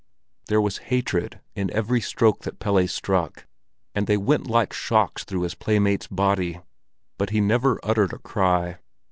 There was hatred in every stroke that Pelle struck, and they went like shocks through his playmate's body, but he never uttered a cry.